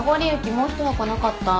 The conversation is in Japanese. もう１箱なかった？